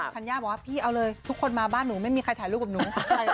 ธัญญาบอกว่าพี่เอาเลยทุกคนมาบ้านหนูไม่มีใครถ่ายรูปกับหนู